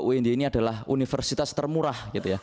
unj ini adalah universitas termurah